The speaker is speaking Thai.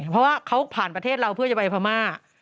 เพราะว่าเขาผ่านประเทศเราเพื่อจะไปพม่า